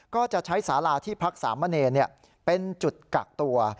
ก็จะใช้สาราที่พักสามเณรเป็นจุดกักตัว